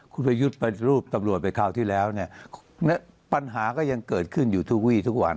คุณประยุทธ์ปฏิรูปตำรวจไปคราวที่แล้วเนี่ยปัญหาก็ยังเกิดขึ้นอยู่ทุกวีทุกวัน